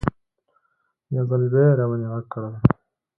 یو ځل بیا یې راباندې غږ کړل.